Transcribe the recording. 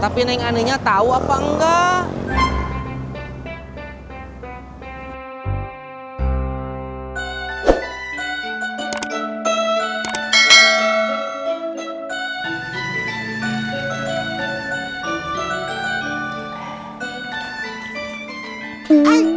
tapi neng aninya tau apa enggak